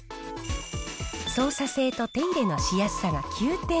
操作性と手入れのしやすさが９点。